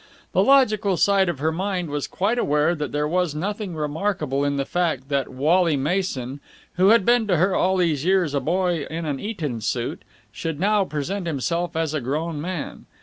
The logical side of her mind was quite aware that there was nothing remarkable in the fact that Wally Mason, who had been to her all these years a boy in an Eton suit, should now present himself as a grown man.